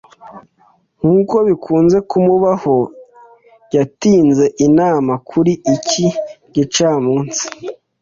Nkuko bikunze kumubaho, yatinze inama kuri iki gicamunsi.